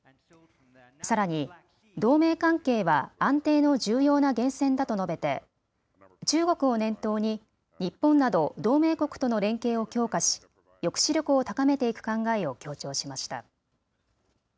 さらに同盟関係は安定の重要な源泉だと述べて中国を念頭に日本など同盟国との連携を強化し抑止力を高めていく考えを強調しました。